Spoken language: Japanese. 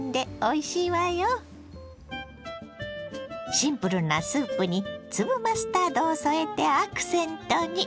シンプルなスープに粒マスタードを添えてアクセントに。